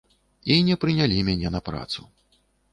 І не прынялі мяне на працу.